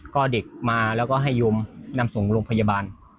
ก็เด็กมาแล้วก็ให้โยมนำส่งโรงพยาบาล